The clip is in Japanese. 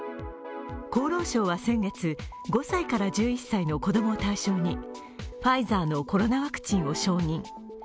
厚労省は先月、５歳から１１歳の子供を対象にファイザーのコロナワクチンを承認。